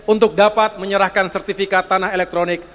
untuk dapat menyerahkan sertifikat tanah elektronik